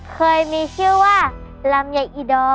เคยมีชื่อว่าลำไยอิดอร์